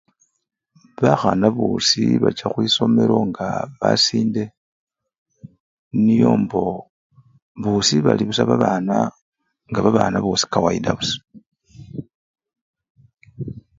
Bakhana bosii bacha khwisomelo nga ba! basinde niyo mboo! bosii busa bali babana nga babana bosii kawayida busa.